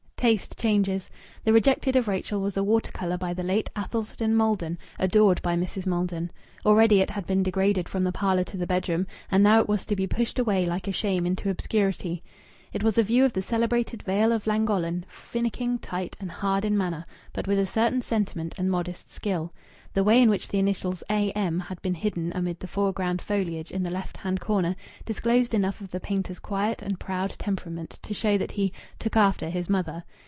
Taste changes. The rejected of Rachel was a water colour by the late Athelstan Maldon, adored by Mrs. Maldon. Already it had been degraded from the parlour to the bedroom, and now it was to be pushed away like a shame into obscurity. It was a view of the celebrated Vale of Llangollen, finicking, tight, and hard in manner, but with a certain sentiment and modest skill. The way in which the initials "A.M." had been hidden amid the foreground foliage in the left hand corner disclosed enough of the painter's quiet and proud temperament to show that he "took after" his mother.